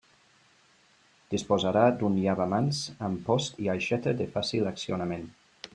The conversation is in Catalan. Disposarà d'un llavamans amb post i aixeta de fàcil accionament.